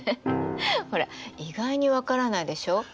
ほら意外に分からないでしょ